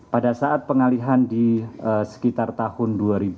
pada saat pengalihan di sekitar tahun dua ribu